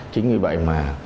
chính vì vậy mà